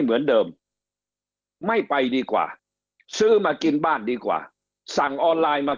เหมือนเดิมไม่ไปดีกว่าซื้อมากินบ้านดีกว่าสั่งออนไลน์มา